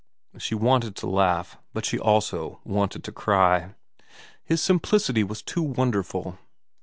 She wanted to laugh, but she also wanted to cry. His simplicity was too wonderful.